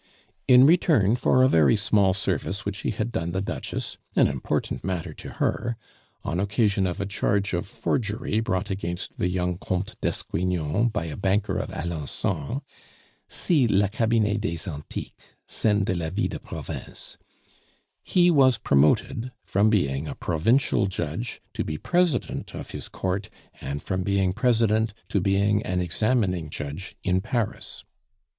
In return for a very small service which he had done the Duchess an important matter to her on occasion of a charge of forgery brought against the young Comte d'Esgrignon by a banker of Alencon (see La Cabinet des Antiques; Scenes de la vie de Province), he was promoted from being a provincial judge to be president of his Court, and from being president to being an examining judge in Paris.